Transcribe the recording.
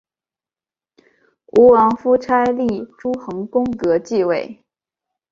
吴王夫差立邾桓公革继位。